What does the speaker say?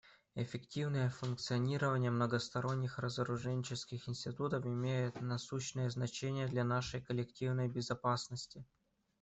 Эффективное функционирование многосторонних разоруженческих институтов имеет насущное значение для нашей коллективной безопасности.